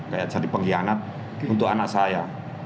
kayak jadi pengkhianat untuk anak saya